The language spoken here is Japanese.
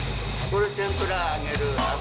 これ、天ぷらを揚げる油。